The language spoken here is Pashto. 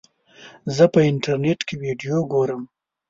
زه په انټرنیټ کې ویډیو ګورم.